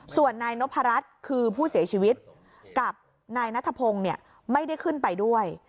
ส่วนนายนพรัชคือผู้เสียชีวิตกับนายนัทพงศ์ไม่ได้ขึ้นไปด้วย